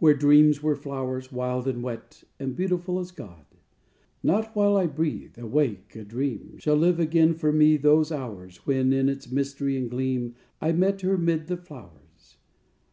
Where dreams were flowers, wild and wet, And beautiful as God._ _Not while I breathe, awake, adream, Shall live again for me those hours, When, in its mystery and gleam, I met her 'mid the flowers.